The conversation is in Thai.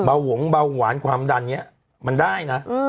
หวงเบาหวานความดันนี้มันได้นะ